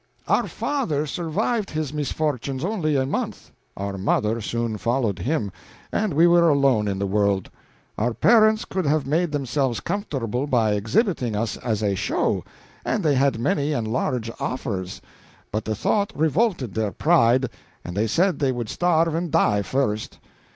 "Our father survived his misfortunes only a month, our mother soon followed him, and we were alone in the world. Our parents could have made themselves comfortable by exhibiting us as a show, and they had many and large offers; but the thought revolted their pride, and they said they would starve and die first.